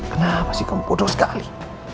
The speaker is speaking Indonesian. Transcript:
kenapa sih kaum bodoh sekali